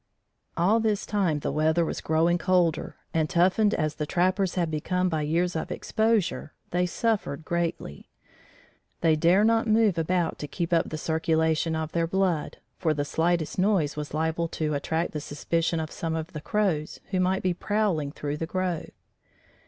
All this time the weather was growing colder, and, toughened as the trappers had become by years of exposure, they suffered greatly. They dare not move about to keep up the circulation of their blood, for the slightest noise was liable to attract the suspicion of some of the Crows who might be prowling through the grove.